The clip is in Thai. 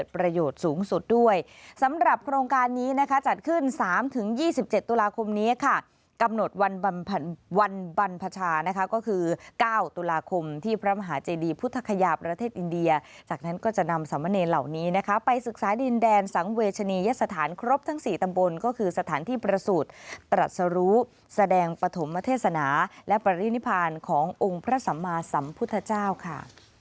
พระมหาเจดีพุทธขยาประเทศอินเดียจากนั้นก็จะนำสำเนินเหล่านี้นะคะไปศึกษาดินแดนสังเวชนียะสถานครบทั้งสี่ตำบลก็คือสถานที่ประสูจน์ตรัสรู้แสดงปฐมเทศนาและปริภาณขององค์พระสัมมาสัมพุทธเจ้าค่ะ